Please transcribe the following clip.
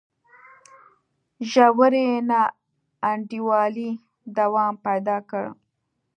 ژورې نا انډولۍ دوام پیدا کړ.